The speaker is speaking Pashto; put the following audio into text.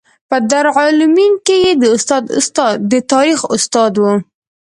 په دارالمعلمین کې د تاریخ استاد و.